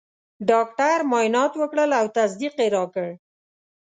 ډاکټر معاینات وکړل او تصدیق یې راکړ.